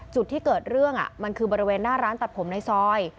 จุดที่เกิดเรื่องมันคือบริเวณหน้าร้านตัดผมในซอย